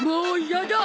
嫌だ！